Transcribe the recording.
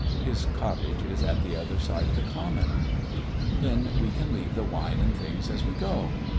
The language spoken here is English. His cottage is at the other side of the Common." "Then we can leave the wine and things as we go.